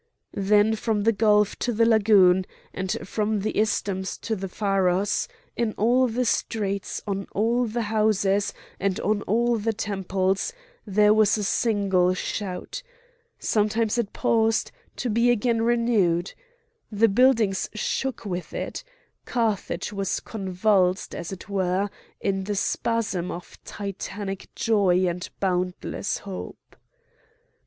Then from the gulf to the lagoon, and from the isthmus to the pharos, in all the streets, on all the houses, and on all the temples, there was a single shout; sometimes it paused, to be again renewed; the buildings shook with it; Carthage was convulsed, as it were, in the spasm of Titanic joy and boundless hope.